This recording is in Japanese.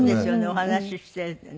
お話ししててね。